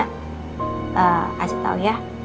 kasih tau ya